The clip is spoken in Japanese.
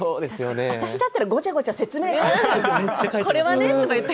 私だったら、ごちゃごちゃ説明書いちゃう。